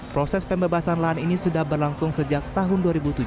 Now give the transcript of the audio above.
proses pembebasan lahan ini sudah berlangsung sejak tahun dua ribu tujuh belas